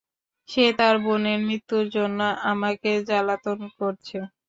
সে তার বোনের মৃত্যুর জন্য আমাকে জ্বালাতন করছে।